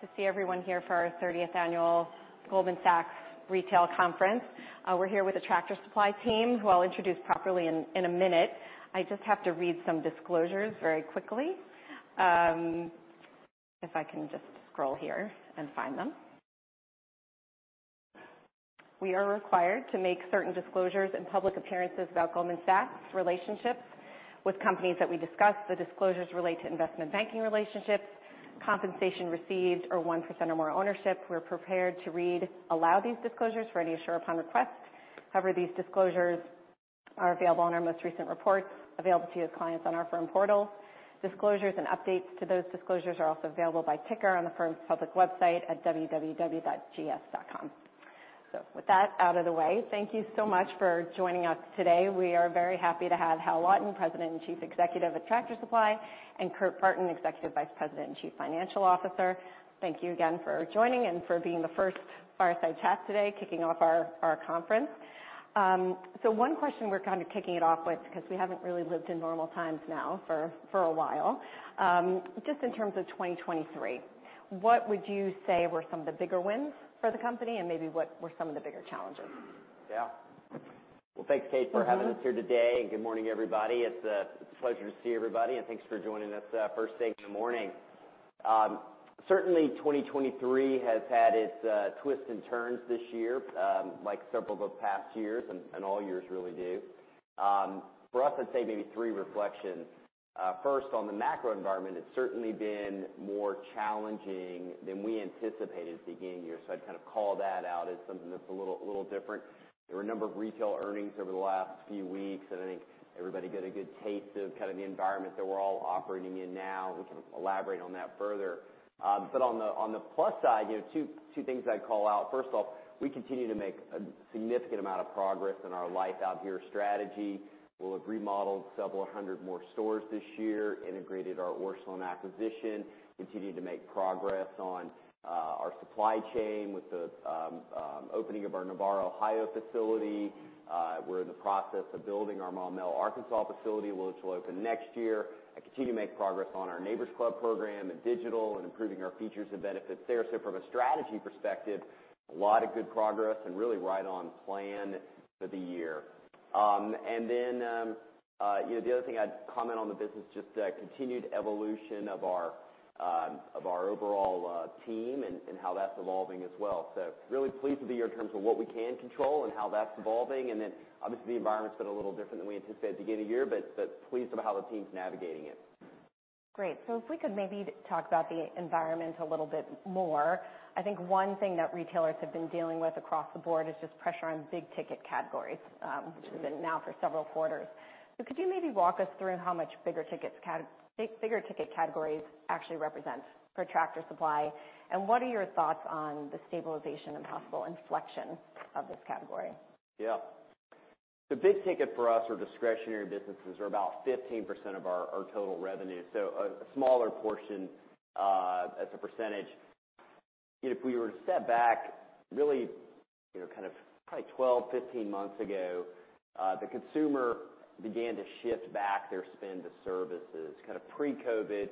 Nice to see everyone here for our 30th annual Goldman Sachs Retail Conference. We're here with the Tractor Supply team, who I'll introduce properly in a minute. I just have to read some disclosures very quickly. If I can just scroll here and find them. We are required to make certain disclosures and public appearances about Goldman Sachs' relationships with companies that we discuss. The disclosures relate to investment banking relationships, compensation received, or 1% or more ownership. We're prepared to read aloud these disclosures, ready to share upon request. However, these disclosures are available in our most recent report, available to you as clients on our firm portal. Disclosures and updates to those disclosures are also available by ticker on the firm's public website at www.gs.com. So with that out of the way, thank you so much for joining us today. We are very happy to have Hal Lawton, President and Chief Executive of Tractor Supply, and Kurt Barton, Executive Vice President and Chief Financial Officer. Thank you again for joining and for being the first fireside chat today, kicking off our conference. So one question we're kind of kicking it off with, because we haven't really lived in normal times now for a while. Just in terms of 2023, what would you say were some of the bigger wins for the company and maybe what were some of the bigger challenges? Yeah. Well, thanks, Kate, for having us here today, and good morning, everybody. It's a pleasure to see everybody, and thanks for joining us first thing in the morning. Certainly 2023 has had its twists and turns this year, like several of the past years, and all years really do. For us, I'd say maybe three reflections. First, on the macro environment, it's certainly been more challenging than we anticipated at the beginning of the year. So I'd kind of call that out as something that's a little, little different. There were a number of retail earnings over the last few weeks, and I think everybody got a good taste of kind of the environment that we're all operating in now. We can elaborate on that further. But on the plus side, you know, two things I'd call out. First off, we continue to make a significant amount of progress in our Life Out Here strategy. We'll have remodeled several hundred more stores this year, integrated our Orscheln acquisition, continued to make progress on our supply chain with the opening of our Navarre, Ohio, facility. We're in the process of building our Maumelle, Arkansas, facility, which will open next year, and continue to make progress on our Neighbor's Club program and digital and improving our features and benefits there. So from a strategy perspective, a lot of good progress and really right on plan for the year. And then, you know, the other thing I'd comment on the business, just the continued evolution of our overall team and how that's evolving as well. So, really pleased with the year in terms of what we can control and how that's evolving. And then, obviously, the environment's been a little different than we anticipated at the beginning of the year, but pleased about how the team's navigating it. Great. So if we could maybe talk about the environment a little bit more. I think one thing that retailers have been dealing with across the board is just pressure on big ticket categories, which has been now for several quarters. So, could you maybe walk us through how much bigger ticket categories actually represent for Tractor Supply? And what are your thoughts on the stabilization and possible inflection of this category? Yeah. The big ticket for us, or discretionary businesses are about 15% of our total revenue, so a smaller portion as a percentage. If we were to step back, really, you know, kind of probably 12, 15 months ago, the consumer began to shift back their spend to services. Kind of pre-COVID,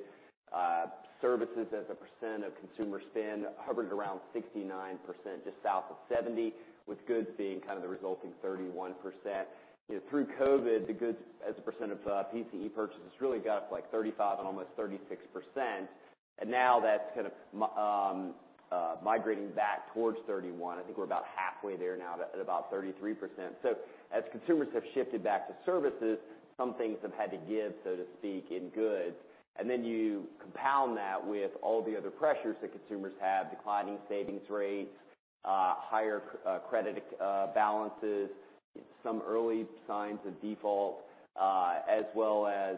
services as a percent of consumer spend hovered around 69%, just south of 70%, with goods being kind of the resulting 31%. You know, through COVID, the goods as a percent of PCE purchases really got up to, like, 35 and almost 36%, and now that's kind of migrating back towards 31%. I think we're about halfway there now at about 33%. So as consumers have shifted back to services, some things have had to give, so to speak, in goods. Then you compound that with all the other pressures that consumers have, declining savings rates, higher credit balances, some early signs of default, as well as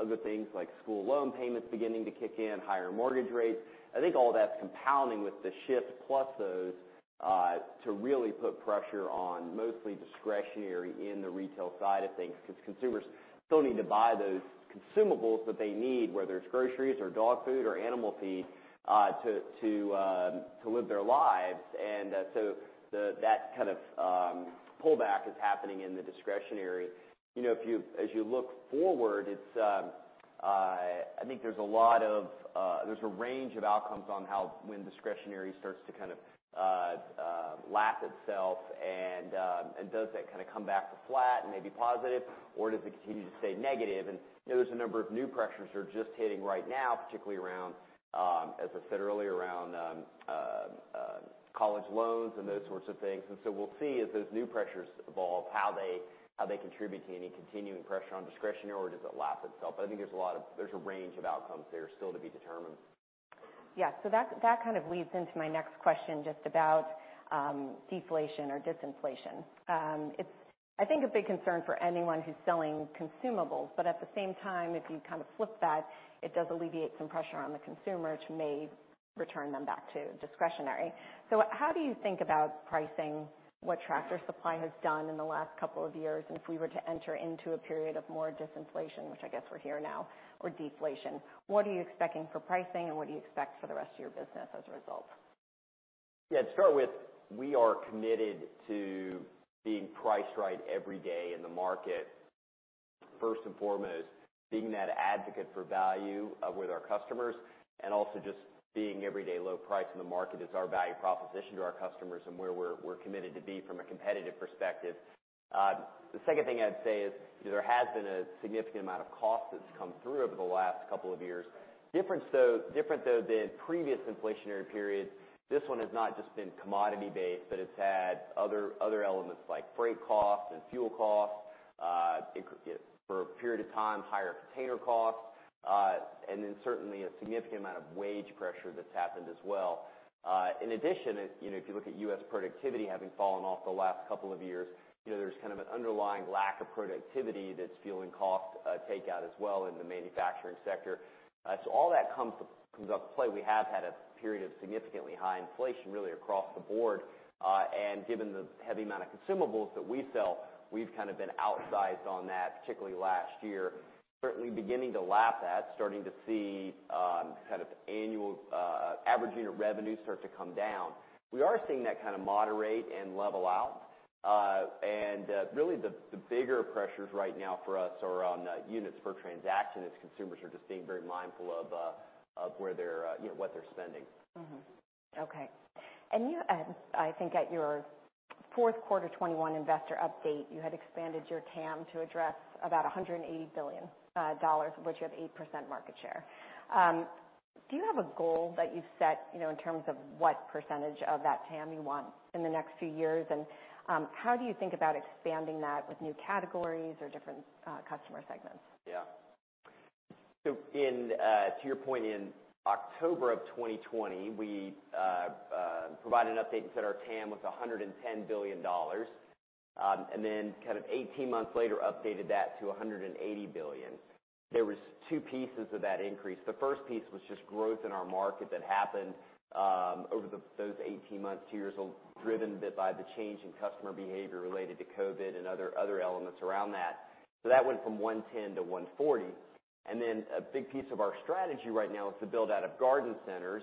other things like school loan payments beginning to kick in, higher mortgage rates. I think all that's compounding with the shift, plus those to really put pressure on, mostly discretionary in the retail side of things, because consumers still need to buy those consumables that they need, whether it's groceries or dog food or animal feed to live their lives. And so that kind of pullback is happening in the discretionary. You know, if you, as you look forward, it's I think there's a lot of, there's a range of outcomes on how when discretionary starts to kind of lap itself, and and does that kind of come back to flat and maybe positive, or does it continue to stay negative? And there's a number of new pressures that are just hitting right now, particularly around, as I said earlier, around college loans and those sorts of things. And so we'll see as those new pressures evolve, how they contribute to any continuing pressure on discretionary, or does it lap itself? But I think there's a range of outcomes there still to be determined. Yeah, so that kind of leads into my next question, just about deflation or disinflation. It's, I think, a big concern for anyone who's selling consumables, but at the same time, if you kind of flip that, it does alleviate some pressure on the consumer, which may return them back to discretionary. So, how do you think about pricing, what Tractor Supply has done in the last couple of years? And if we were to enter into a period of more disinflation, which I guess we're here now, or deflation, what are you expecting for pricing, and what do you expect for the rest of your business as a result? Yeah, to start with, we are committed to being priced right every day in the market. First and foremost, being that advocate for value with our customers, and also just being everyday low price in the market is our value proposition to our customers and where we're committed to be from a competitive perspective. The second thing I'd say is there has been a significant amount of cost that's come through over the last couple of years. Different though than previous inflationary periods, this one has not just been commodity-based, but it's had other elements like freight costs and fuel costs. It could get, for a period of time, higher container costs, and then certainly a significant amount of wage pressure that's happened as well. In addition, you know, if you look at U.S. productivity having fallen off the last couple of years, you know, there's kind of an underlying lack of productivity that's fueling cost takeout as well in the manufacturing sector. So all that comes up to play. We have had a period of significantly high inflation, really across the board, and given the heavy amount of consumables that we sell, we've kind of been outsized on that, particularly last year. Certainly beginning to lap that, starting to see kind of annual average unit revenue start to come down. We are seeing that kind of moderate and level out, and really, the bigger pressures right now for us are on units per transaction, as consumers are just being very mindful of where they're, you know, what they're spending. Okay. And I think at your fourth quarter 2021 investor update, you had expanded your TAM to address about $180 billion, of which you have 8% market share. Do you have a goal that you've set, you know, in terms of what percentage of that TAM you want in the next few years? And, how do you think about expanding that with new categories or different customer segments? Yeah. So, to your point, in October of 2020, we provided an update and said our TAM was $110 billion, and then, kind of 18 months later, updated that to $180 billion. There was two pieces of that increase. The first piece was just growth in our market that happened over those 18 months, two years, driven bit by the change in customer behavior related to COVID and other, other elements around that. So that went from $110 million to $140 million. And then a big piece of our strategy right now is to build out of garden centers,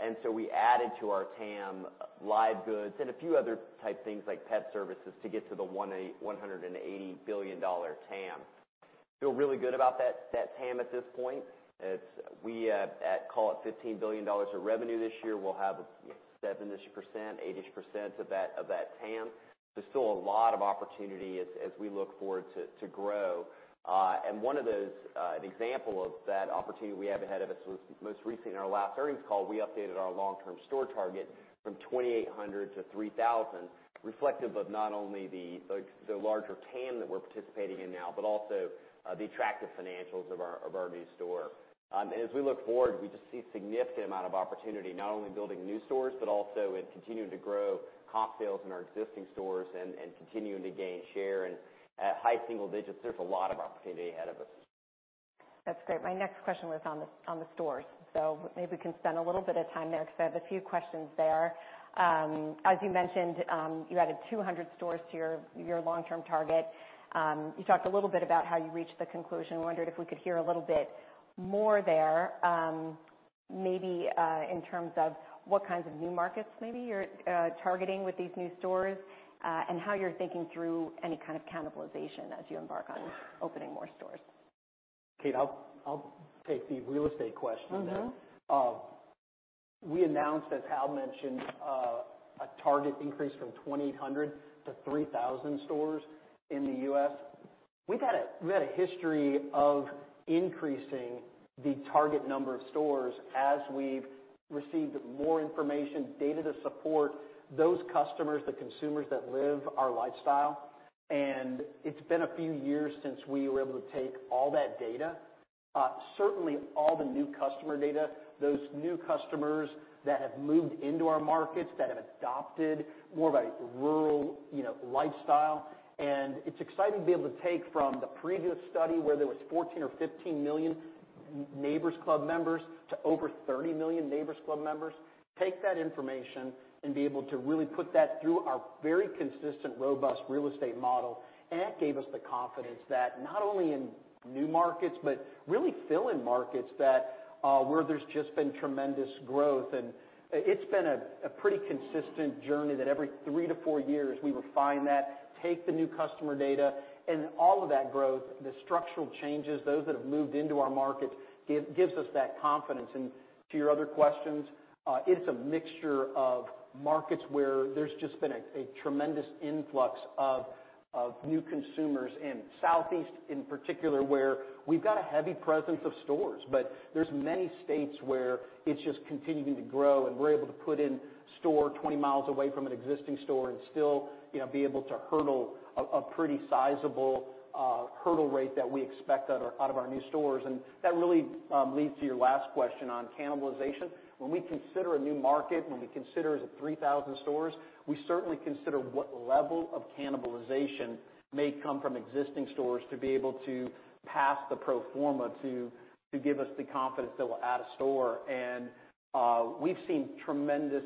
and so we added to our TAM live goods and a few other type things like pet services to get to the $180 billion TAM. Feel really good about that TAM at this point. It's we call it $15 billion of revenue this year, we'll have 7%-ish, 8%-ish of that, of that TAM. There's still a lot of opportunity as we look forward to grow. And one of those, an example of that opportunity we have ahead of us was most recently in our last earnings call, we updated our long-term store target from 2,800 to 3,000, reflective of not only the larger TAM that we're participating in now, but also the attractive financials of our new store. And as we look forward, we just see a significant amount of opportunity, not only building new stores, but also in continuing to grow comp sales in our existing stores and continuing to gain share. At high-single digits, there's a lot of opportunity ahead of us. That's great. My next question was on the stores, so maybe we can spend a little bit of time there because I have a few questions there. As you mentioned, you added 200 stores to your long-term target. You talked a little bit about how you reached the conclusion. I wondered if we could hear a little bit more there, maybe, in terms of what kinds of new markets maybe you're targeting with these new stores, and how you're thinking through any kind of cannibalization as you embark on opening more stores. Kate, I'll take the real estate question there. We announced, as Hal mentioned, a target increase from 2,800 to 3,000 stores in the U.S. We've had a history of increasing the target number of stores as we've received more information, data to support those customers, the consumers that live our lifestyle. And it's been a few years since we were able to take all that data, certainly all the new customer data, those new customers that have moved into our markets, that have adopted more of a rural, you know, lifestyle. And it's exciting to be able to take from the previous study, where there was 14 million or 15 million Neighbor's Club members, to over 30 million Neighbor's Club members, take that information and be able to really put that through our very consistent, robust real estate model. And that gave us the confidence that not only in new markets, but really fill in markets that where there's just been tremendous growth. And it's been a pretty consistent journey that every three to four years, we refine that, take the new customer data and all of that growth, the structural changes, those that have moved into our market, gives us that confidence. To your other questions, it's a mixture of markets where there's just been a tremendous influx of new consumers in the Southeast, in particular, where we've got a heavy presence of stores, but there's many states where it's just continuing to grow, and we're able to put in a store 20 miles away from an existing store and still, you know, be able to hurdle a pretty sizable hurdle rate that we expect out of our new stores. That really leads to your last question on cannibalization. When we consider a new market, when we consider is it 3,000 stores, we certainly consider what level of cannibalization may come from existing stores to be able to pass the pro forma to give us the confidence that we'll add a store. We've seen tremendous,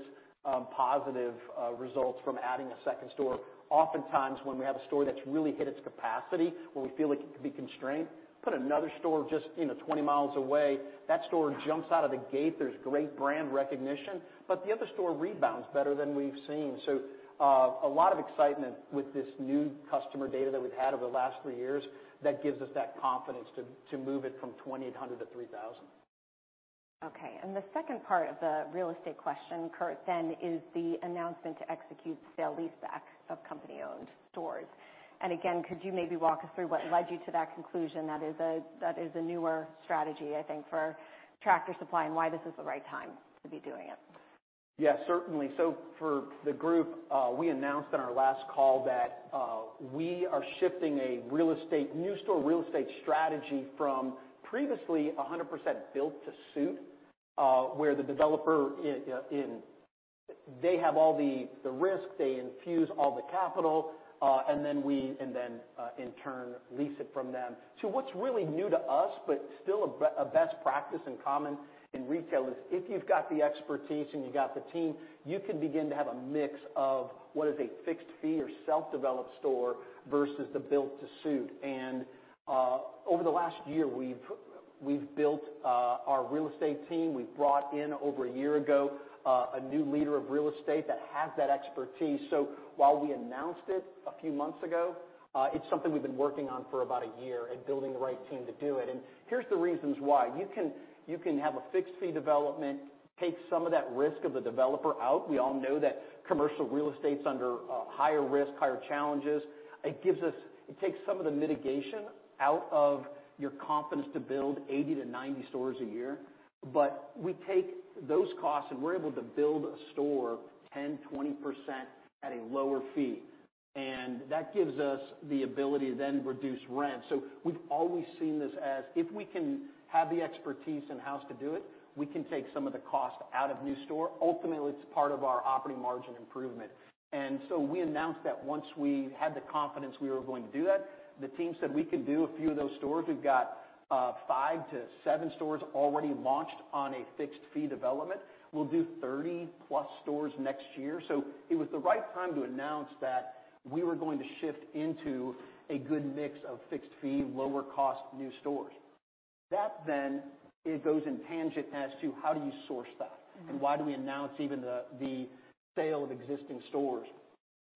positive results from adding a second store. Oftentimes, when we have a store that's really hit its capacity, where we feel like it could be constrained, put another store just, you know, 20 mi away, that store jumps out of the gate. There's great brand recognition, but the other store rebounds better than we've seen. A lot of excitement with this new customer data that we've had over the last three years that gives us that confidence to move it from 2,800 to 3,000. Okay, and the second part of the real estate question, Kurt, then is the announcement to execute the sale-leaseback of company-owned stores. And again, could you maybe walk us through what led you to that conclusion? That is a newer strategy, I think, for Tractor Supply, and why this is the right time to be doing it. Yes, certainly. So for the group, we announced on our last call that we are shifting a new store real estate strategy from previously 100% built to suit, where the developer, they have all the risk, they infuse all the capital, and then, in turn, lease it from them. So what's really new to us, but still a best practice common in retail, is if you've got the expertise and you've got the team, you can begin to have a mix of what is a fixed fee or self-developed store versus the built-to-suit. And over the last year, we've built our real estate team. We've brought in, over a year ago, a new leader of real estate that has that expertise. So while we announced it a few months ago, it's something we've been working on for about a year and building the right team to do it. And here's the reasons why. You can have a fixed fee development, take some of that risk of the developer out. We all know that commercial real estate's under higher risk, higher challenges. It takes some of the mitigation out of your confidence to build 80-90 stores a year. But we take those costs, and we're able to build a store 10%-20% at a lower fee, and that gives us the ability to then reduce rent. So we've always seen this as, if we can have the expertise in-house to do it, we can take some of the cost out of new store. Ultimately, it's part of our operating margin improvement. So we announced that once we had the confidence we were going to do that, the team said we could do a few of those stores. We've got five to seven stores already launched on a fixed fee development. We'll do 30+ stores next year. So it was the right time to announce that we were going to shift into a good mix of fixed fee, lower cost new stores. That then, it goes in tangent as to how do you source that? Why do we announce even the sale of existing stores?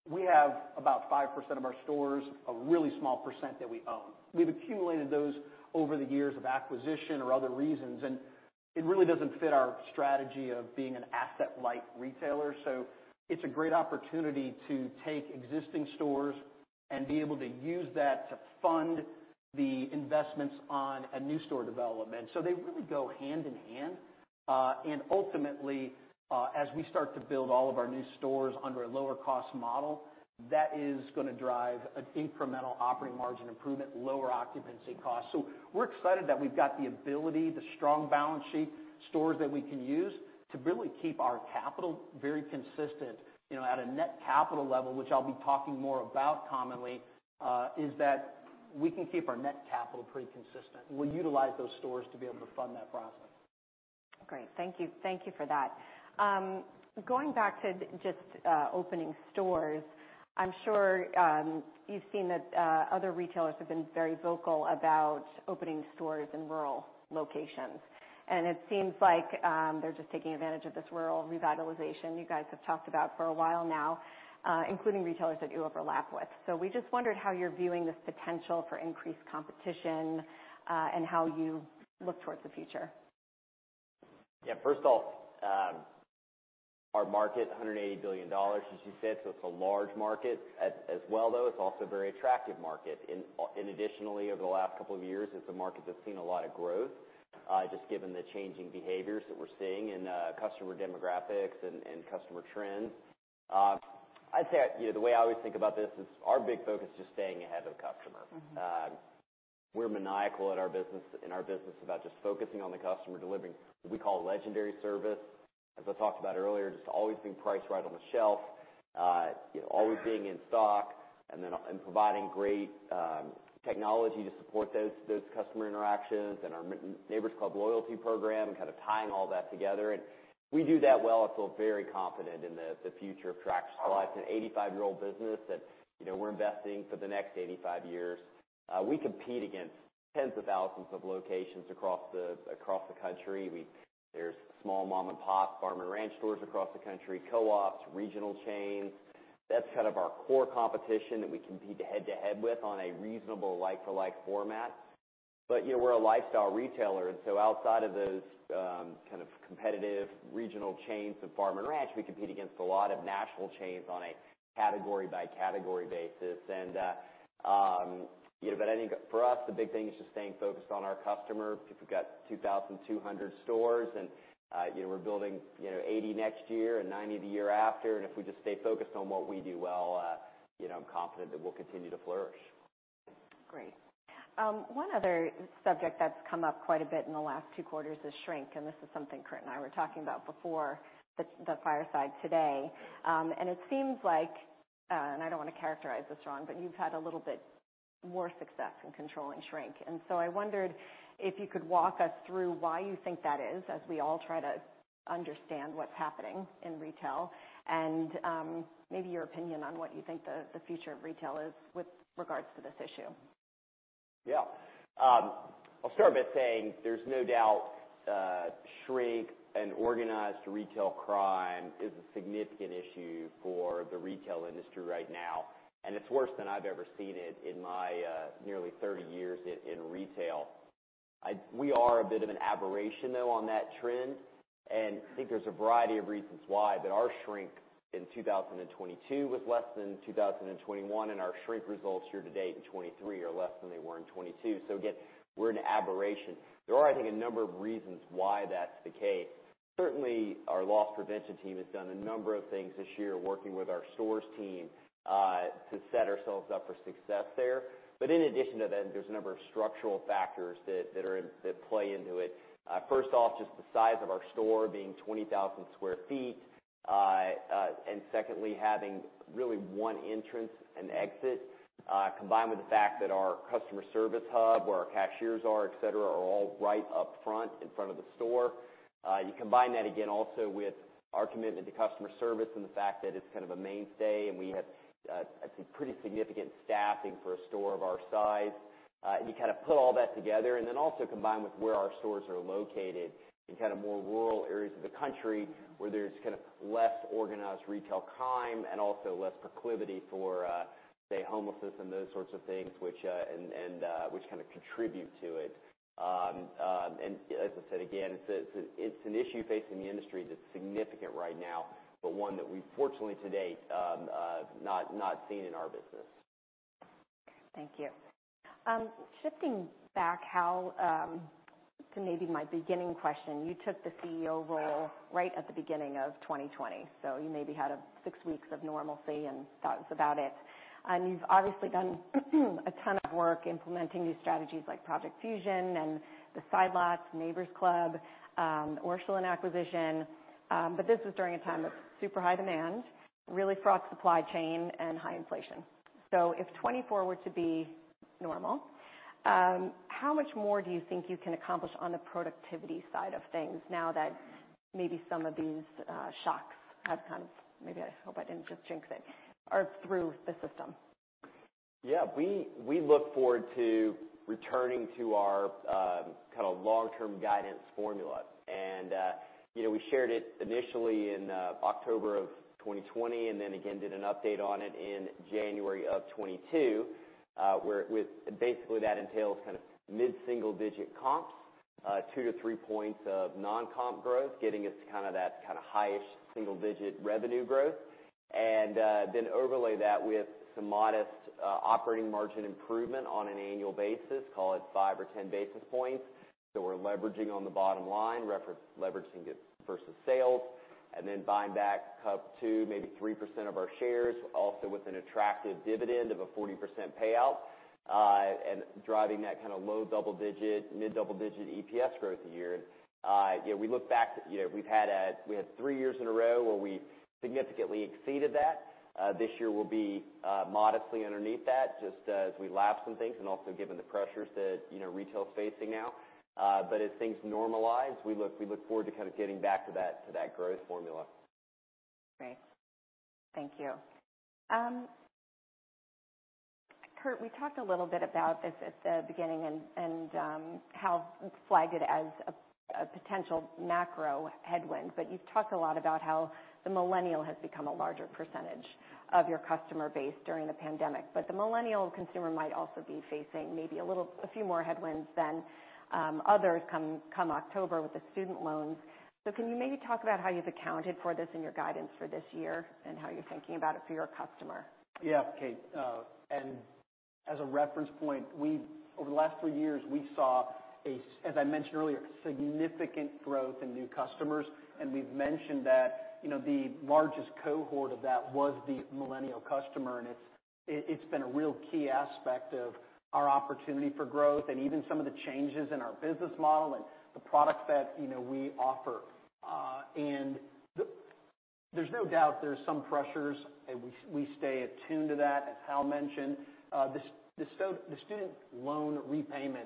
We have about 5% of our stores, a really small percent that we own. We've accumulated those over the years of acquisition or other reasons, and it really doesn't fit our strategy of being an asset-light retailer. So it's a great opportunity to take existing stores and be able to use that to fund the investments on a new store development. So they really go hand in hand. And ultimately, as we start to build all of our new stores under a lower cost model, that is gonna drive an incremental operating margin improvement, lower occupancy costs. So we're excited that we've got the ability, the strong balance sheet, stores that we can use to really keep our capital very consistent, you know, at a net capital level, which I'll be talking more about commonly, is that we can keep our net capital pretty consistent. We'll utilize those stores to be able to fund that process. Great. Thank you. Thank you for that. Going back to just opening stores, I'm sure you've seen that other retailers have been very vocal about opening stores in rural locations, and it seems like they're just taking advantage of this rural revitalization you guys have talked about for a while now, including retailers that you overlap with. So we just wondered how you're viewing this potential for increased competition, and how you look towards the future. Yeah, first of all, our market, $180 billion, as you said, so it's a large market. As well, though, it's also a very attractive market. And additionally, over the last couple of years, it's a market that's seen a lot of growth, just given the changing behaviors that we're seeing in customer demographics and customer trends. I'd say, you know, the way I always think about this is our big focus is just staying ahead of the customer. We're maniacal at our business, in our business about just focusing on the customer, delivering what we call legendary service. As I talked about earlier, just always being priced right on the shelf, you know, always being in stock, and then providing great technology to support those, those customer interactions and our Neighbor's Club loyalty program, and kind of tying all that together. And we do that well, and feel very confident in the, the future of Tractor Supply. It's an 85-year-old business that, you know, we're investing for the next 85 years. We compete against tens of thousands of locations across the, across the country. There's small mom-and-pop farm and ranch stores across the country, co-ops, regional chains. That's kind of our core competition that we compete head-to-head with on a reasonable like-for-like format. But, you know, we're a lifestyle retailer, and so outside of those, kind of competitive regional chains of farm and ranch, we compete against a lot of national chains on a category-by-category basis. And, you know, but I think for us, the big thing is just staying focused on our customer. We've got 2,200 stores, and, you know, we're building, you know, 80 next year and 90 the year after. And if we just stay focused on what we do well, you know, I'm confident that we'll continue to flourish. Great. One other subject that's come up quite a bit in the last two quarters is shrink, and this is something Kurt and I were talking about before the fireside today. And it seems like I don't want to characterize this wrong, but you've had a little bit more success in controlling shrink. And so I wondered if you could walk us through why you think that is, as we all try to understand what's happening in retail, and maybe your opinion on what you think the future of retail is with regards to this issue. Yeah. I'll start by saying there's no doubt, shrink and organized retail crime is a significant issue for the retail industry right now, and it's worse than I've ever seen it in my nearly 30 years in retail. We are a bit of an aberration, though, on that trend, and I think there's a variety of reasons why, but our shrink in 2022 was less than 2021, and our shrink results year to date in 2023 are less than they were in 2022. So again, we're an aberration. There are, I think, a number of reasons why that's the case. Certainly, our loss prevention team has done a number of things this year, working with our stores team to set ourselves up for success there. But in addition to that, there's a number of structural factors that play into it. First off, just the size of our store being 20,000 sq ft, and secondly, having really one entrance and exit, combined with the fact that our customer service hub, where our cashiers are, et cetera, are all right up front, in front of the store. You combine that again, also with our commitment to customer service and the fact that it's kind of a mainstay, and we have, I'd say, pretty significant staffing for a store of our size. And you kind of put all that together, and then also combined with where our stores are located in kind of more rural areas of the country, where there's kind of less organized retail crime and also less proclivity for, say, homelessness and those sorts of things, which kind of contribute to it. And as I said again, it's an issue facing the industry that's significant right now, but one that we, fortunately, to date, have not seen in our business. Thank you. Shifting back, Hal, to maybe my beginning question, you took the CEO role right at the beginning of 2020, so you maybe had six weeks of normalcy and thoughts about it. And you've obviously done a ton of work implementing new strategies like Project Fusion and the Side Lot, Neighbor's Club, Orscheln acquisition, but this was during a time of super high demand, really fraught supply chain and high inflation. So if 2024 were to be normal, how much more do you think you can accomplish on the productivity side of things now that maybe some of these shocks have kind of, maybe I hope I didn't just jinx it, are through the system? Yeah. We look forward to returning to our kind of long-term guidance formula. And you know, we shared it initially in October of 2020, and then again, did an update on it in January of 2022, where with basically that entails kind of mid-single-digit comps, two to three points of non-comp growth, getting us to kind of that kind of high-ish single-digit revenue growth. And then overlay that with some modest operating margin improvement on an annual basis, call it 5 or 10 basis points. So we're leveraging on the bottom line, reference leveraging it versus sales, and then buying back up 2%, maybe 3% of our shares, also with an attractive dividend of a 40% payout, and driving that kind of low double-digit, mid double-digit EPS growth a year. Yeah, we look back, you know, we had three years in a row where we significantly exceeded that. This year will be modestly underneath that, just as we lap some things and also given the pressures that, you know, retail is facing now. But as things normalize, we look forward to kind of getting back to that growth formula. Great. Thank you. Kurt, we talked a little bit about this at the beginning and how flagged as a potential macro headwind, but you've talked a lot about how the Millennial has become a larger percentage of your customer base during the pandemic. But the Millennial consumer might also be facing maybe a little, a few more headwinds than others come October with the student loans. So, can you maybe talk about how you've accounted for this in your guidance for this year and how you're thinking about it for your customer? Yeah, Kate. And as a reference point, over the last three years, we saw, as I mentioned earlier, significant growth in new customers, and we've mentioned that, you know, the largest cohort of that was the millennial customer, and it's been a real key aspect of our opportunity for growth and even some of the changes in our business model and the products that, you know, we offer. And there's no doubt there are some pressures, and we stay attuned to that, as Hal mentioned. The student loan repayment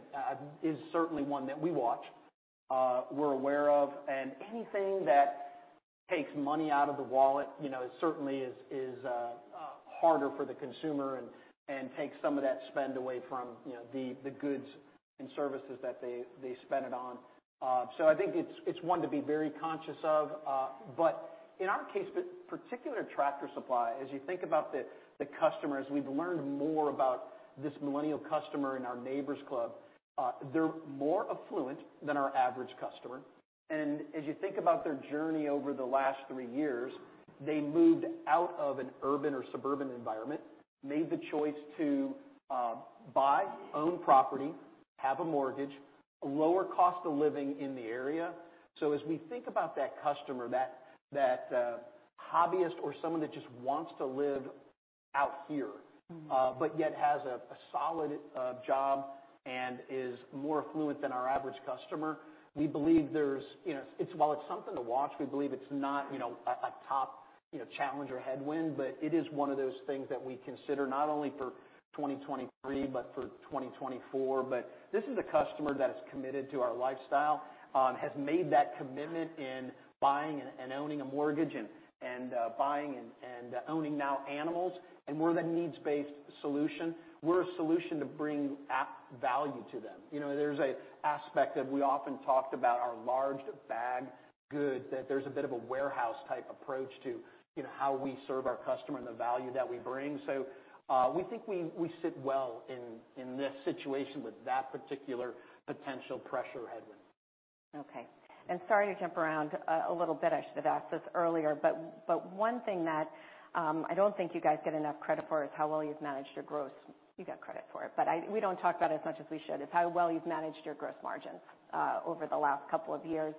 is certainly one that we watch. We're aware of, and anything that takes money out of the wallet, you know, it certainly is harder for the consumer and takes some of that spend away from, you know, the goods and services that they spend it on. So I think it's one to be very conscious of, but in our case, the particular Tractor Supply, as you think about the customers, we've learned more about this millennial customer in our Neighbor's Club. They're more affluent than our average customer. As you think about their journey over the last three years, they moved out of an urban or suburban environment, made the choice to buy, own property, have a mortgage, a lower cost of living in the area. So as we think about that customer, that hobbyist or someone that just wants to live out here- But yet has a solid job and is more affluent than our average customer, we believe there's, you know, while it's something to watch, we believe it's not, you know, a top, you know, challenge or headwind, but it is one of those things that we consider not only for 2023, but for 2024. But this is a customer that is committed to our lifestyle, has made that commitment in buying and owning now animals, and we're the needs-based solution. We're a solution to bring value to them. You know, there's an aspect that we often talked about our large bag good, that there's a bit of a warehouse-type approach to, you know, how we serve our customer and the value that we bring. So, we think we sit well in this situation with that particular potential pressure headwind. Okay. And sorry to jump around a little bit. I should have asked this earlier, but one thing that I don't think you guys get enough credit for is how well you've managed your gross. You get credit for it, but we don't talk about it as much as we should, is how well you've managed your gross margins over the last couple of years.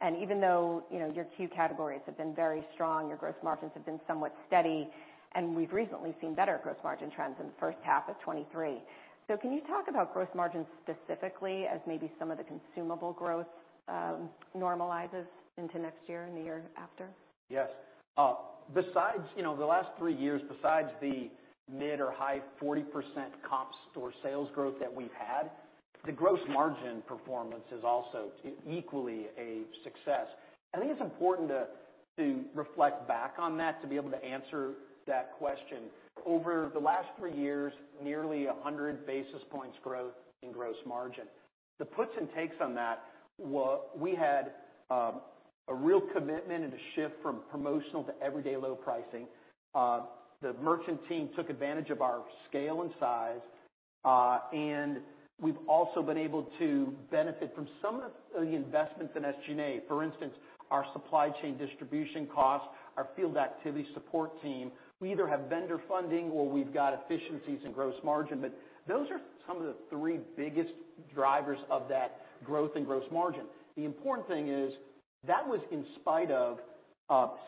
And even though, you know, your key categories have been very strong, your gross margins have been somewhat steady, and we've recently seen better gross margin trends in the first half of 2023. So, can you talk about gross margins specifically as maybe some of the consumable growth normalizes into next year and the year after? Yes. Besides, you know, the last three years, besides the mid- or high-40% comp store sales growth that we've had, the gross margin performance is also equally a success. I think it's important to reflect back on that, to be able to answer that question. Over the last three years, nearly 100 basis points growth in gross margin. The puts and takes on that, we had a real commitment and a shift from promotional to everyday low pricing. The merchant team took advantage of our scale and size, and we've also been able to benefit from some of the investments in SG&A. For instance, our supply chain distribution costs, our field activity support team, we either have vendor funding or we've got efficiencies in gross margin. But those are some of the three biggest drivers of that growth in gross margin. The important thing is that was in spite of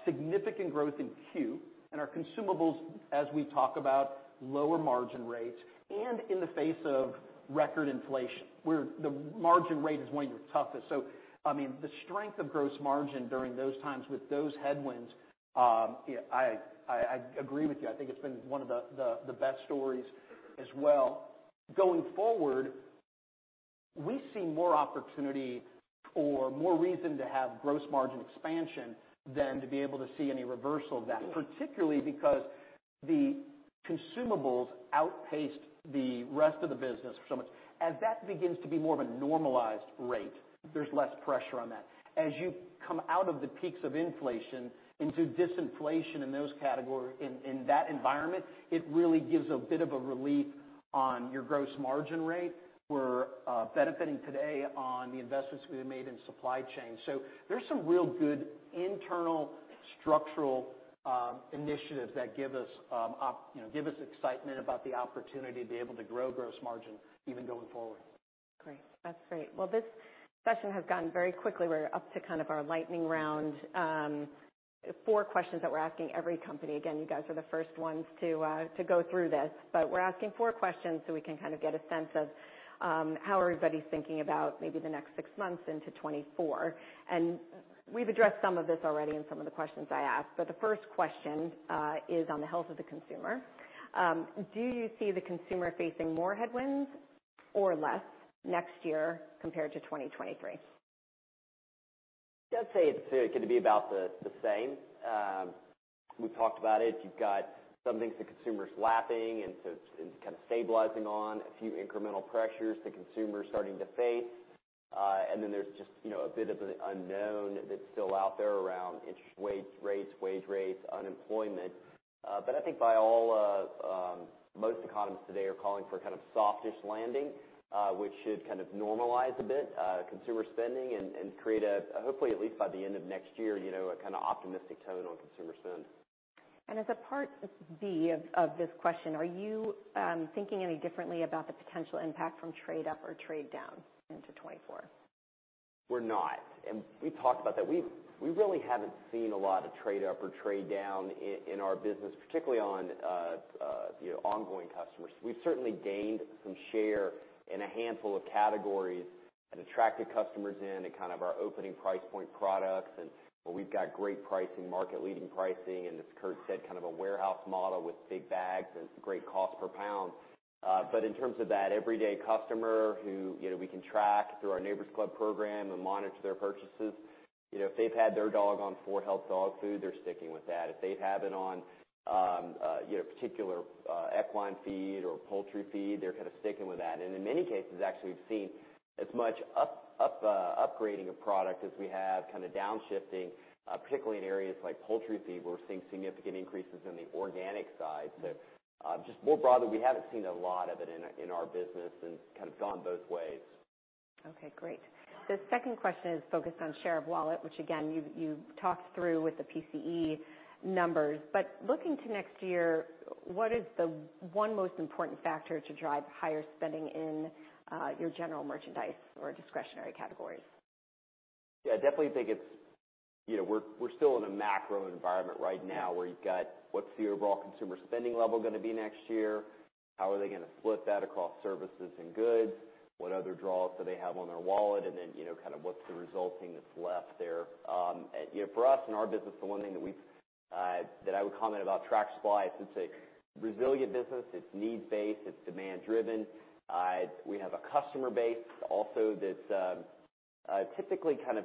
significant growth in Q, and our consumables, as we talk about lower margin rates and in the face of record inflation, where the margin rate is one of your toughest. So, I mean, the strength of gross margin during those times with those headwinds, yeah, I agree with you. I think it's been one of the best stories as well. Going forward, we see more opportunity or more reason to have gross margin expansion than to be able to see any reversal of that, particularly because the consumables outpaced the rest of the business so much. As that begins to be more of a normalized rate, there's less pressure on that. As you come out of the peaks of inflation into disinflation in that environment, it really gives a bit of a relief on your gross margin rate. We're benefiting today on the investments we made in supply chain. So there's some real good internal structural initiatives that give us you know, give us excitement about the opportunity to be able to grow gross margin even going forward. Great. That's great. Well, this session has gone very quickly. We're up to kind of our lightning round, four questions that we're asking every company. Again, you guys are the first ones to go through this, but we're asking four questions so we can kind of get a sense of how everybody's thinking about maybe the next six months into 2024. And we've addressed some of this already in some of the questions I asked, but the first question is on the health of the consumer. Do you see the consumer facing more headwinds or less next year compared to 2023? I'd say it's gonna be about the same. We've talked about it. You've got some things the consumer's lapping, and so it's kind of stabilizing on a few incremental pressures the consumer is starting to face. And then there's just, you know, a bit of an unknown that's still out there around interest rates, wage rates, unemployment. But I think by all of... Most economists today are calling for kind of softish landing, which should kind of normalize a bit consumer spending and create a, hopefully, at least by the end of next year, you know, a kind of optimistic tone on consumer spend. As a part B of this question, are you thinking any differently about the potential impact from trade up or trade down into 2024? We're not, and we talked about that. We really haven't seen a lot of trade up or trade down in our business, particularly on, you know, ongoing customers. We've certainly gained some share in a handful of categories and attracted customers in kind of our opening price point products. And we've got great pricing, market-leading pricing, and as Kurt said, kind of a warehouse model with big bags and great cost per pound. But in terms of that everyday customer who, you know, we can track through our Neighbor's Club program and monitor their purchases, you know, if they've had their dog on 4health dog food, they're sticking with that. If they've had it on, you know, particular equine feed or poultry feed, they're kind of sticking with that. And in many cases, actually, we've seen as much upgrading of product as we have kind of downshifting, particularly in areas like poultry feed, where we're seeing significant increases in the organic side. So, just more broadly, we haven't seen a lot of it in our business and kind of gone both ways. Okay, great. The second question is focused on share of wallet, which again, you talked through with the PCE numbers. But looking to next year, what is the one most important factor to drive higher spending in your general merchandise or discretionary categories? Yeah, I definitely think it's, you know, we're still in a macro environment right now, where you've got, what's the overall consumer spending level gonna be next year? How are they gonna split that across services and goods? What other draws do they have on their wallet? And then, you know, kind of what's the resulting that's left there? You know, for us, in our business, the one thing that I would comment about Tractor Supply, it's a resilient business, it's need-based, it's demand-driven. We have a customer base also that's typically kind of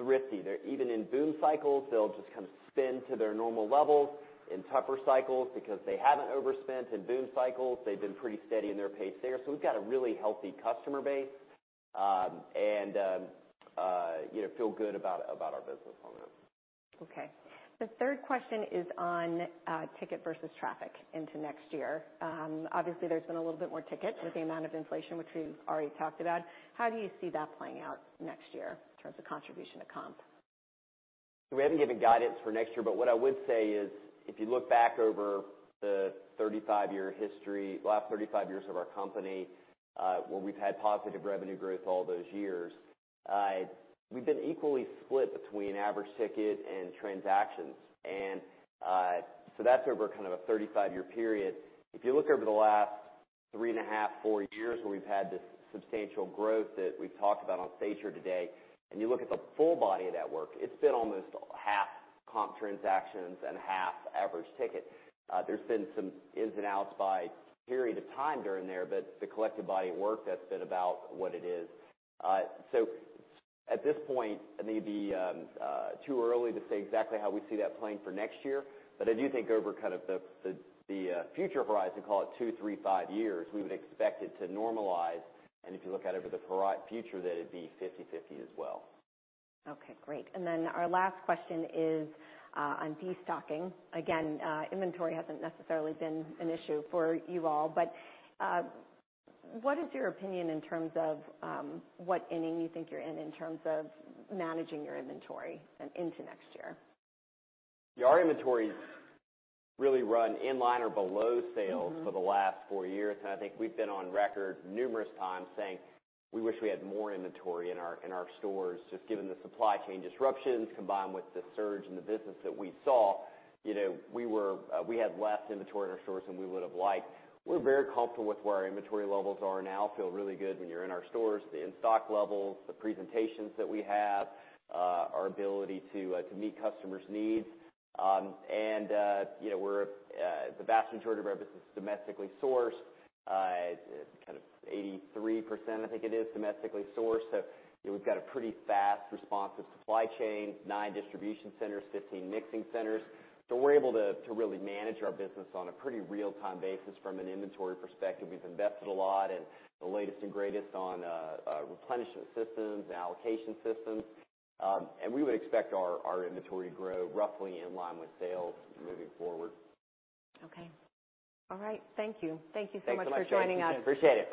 thrifty. They're even in boom cycles, they'll just kind of spend to their normal levels. In tougher cycles, because they haven't overspent in boom cycles, they've been pretty steady in their pace there. So we've got a really healthy customer base, and you know, feel good about our business on that. Okay. The third question is on ticket versus traffic into next year. Obviously, there's been a little bit more ticket with the amount of inflation, which we've already talked about. How do you see that playing out next year in terms of contribution to comp? We haven't given guidance for next year, but what I would say is, if you look back over the 35-year history, the last 35 years of our company, where we've had positive revenue growth all those years, we've been equally split between average ticket and transactions. And so that's over kind of a 35-year period. If you look over the last 3.5 to four years, where we've had this substantial growth that we've talked about on stage here today, and you look at the full body of that work, it's been almost half comp transactions and half average ticket. There's been some ins and outs by period of time during there, but the collective body of work, that's been about what it is. So at this point, it may be too early to say exactly how we see that playing for next year. But I do think over kind of the future horizon, call it two, three, five years, we would expect it to normalize. And if you look out over the future, that it'd be 50/50 as well. Okay, great. And then our last question is on destocking. Again, inventory hasn't necessarily been an issue for you all, but what is your opinion in terms of what inning you think you're in, in terms of managing your inventory and into next year? Yeah, our inventory's really run in line or below sales. For the last four years, and I think we've been on record numerous times saying we wish we had more inventory in our stores. Just given the supply chain disruptions, combined with the surge in the business that we saw, you know, we had less inventory in our stores than we would have liked. We're very comfortable with where our inventory levels are now. Feel really good when you're in our stores, the in-stock levels, the presentations that we have, our ability to, to meet customers' needs. And, you know, we're, the vast majority of our business is domestically sourced, kind of 83%, I think it is, domestically sourced. So we've got a pretty fast, responsive supply chain, nine distribution centers, 15 mixing centers. So we're able to really manage our business on a pretty real-time basis from an inventory perspective. We've invested a lot in the latest and greatest on replenishment systems and allocation systems. And we would expect our inventory to grow roughly in line with sales moving forward. Okay. All right. Thank you. Thank you so much for joining us. Thanks so much. Appreciate it.